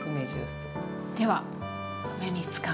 では梅みつかん。